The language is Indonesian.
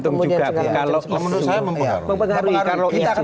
kalau menurut saya mempengaruhi